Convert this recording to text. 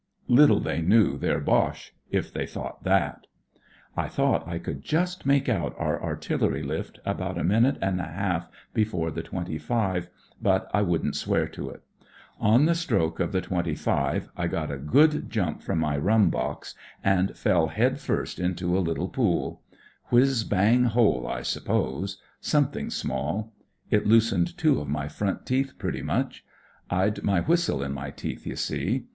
Little they knew their Boche, if they thought that. I thought I could just make out our artillery lift, about a minute and a half before the twenty five, but I wouldn't swear to it. On the stroke of the twenty WHAT rrS LIKE IN THE PUSH 11 five I got a good jump from my rum box, and fell head first into a little pool ; whizz bang hole, I suppose; something email. It loosened two of my front teeth pretty much, rd my whistle in my teeth, you see.